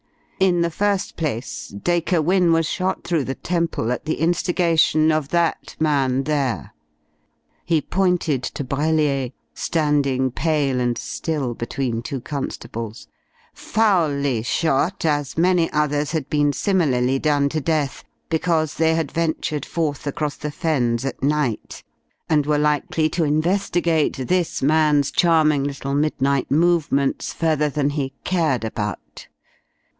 "In the first place, Dacre Wynne was shot through the temple at the instigation of that man there," he pointed to Brellier, standing pale and still between two constables, "foully shot, as many others had been similarly done to death, because they had ventured forth across the Fens at night, and were likely to investigate this man's charming little midnight movements, further than he cared about.